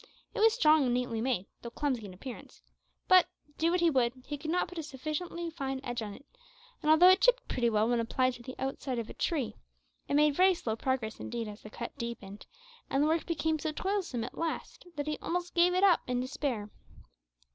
It was strongly and neatly made, though clumsy in appearance, but, do what he would, he could not put a sufficiently fine edge on it, and although it chipped pretty well when applied to the outside of a tree, it made very slow progress indeed as the cut deepened, and the work became so toilsome at last that he almost gave it up in despair.